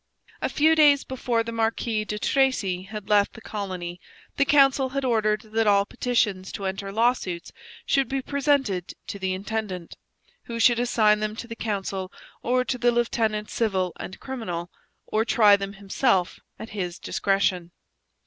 A few days before the Marquis de Tracy had left the colony the council had ordered that all petitions to enter lawsuits should be presented to the intendant, who should assign them to the council or to the lieutenant civil and criminal, or try them himself, at his discretion.